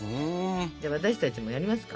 じゃあ私たちもやりますか？